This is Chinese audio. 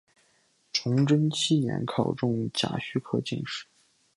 崇祯七年考中甲戌科进士。